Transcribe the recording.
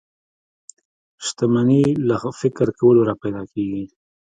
شتمني له فکر کولو را پيدا کېږي.